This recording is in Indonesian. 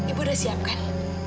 ibu udah siap kan